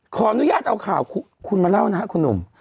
ขออนุญาตเอาข่าวคุณมาเล่านะครับคุณหนุ่ม